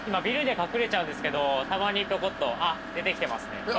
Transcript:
ビルで隠れちゃうんですけどたまにぴょこっと出てきてますね。